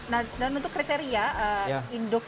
nah dan untuk kriteria induk